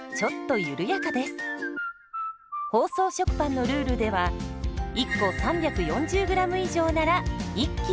包装食パンのルールでは１個３４０ｇ以上なら１斤。